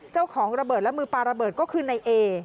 เจ้าของระเบิดและมือปลาระเบิดก็คือในเอ